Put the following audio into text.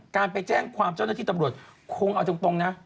การไปแจ้งความเจ้าหน้าที่ตำรวจคงเอาตรงนะ